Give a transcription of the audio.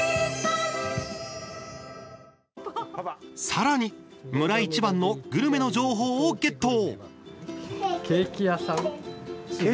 さらに、村イチバンのグルメの情報をゲット。